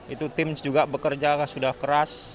itu tim juga bekerja sudah keras